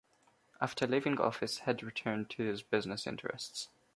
After leaving office Head returned to his business interests.